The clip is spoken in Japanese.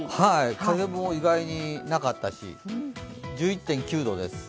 風も意外になかったし、１１．９度です。